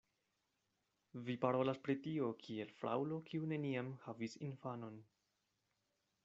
Vi parolas pri tio, kiel fraŭlo kiu neniam havis infanon.